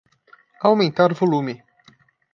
Aumentar volume.